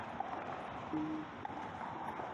สิบสอง ซีรีส์หมอเอเชีย